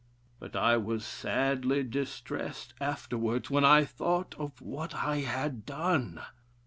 But I was sadly distressed afterwards when I thought of what I had done.